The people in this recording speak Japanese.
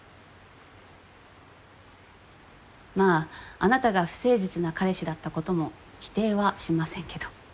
まああなたが不誠実な彼氏だったことも否定はしませんけど。